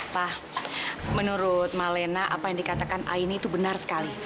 pak menurut malena apa yang dikatakan aini itu benar sekali